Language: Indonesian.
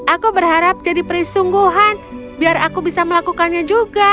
aku berharap jadi perisungguhan biar aku bisa melakukannya juga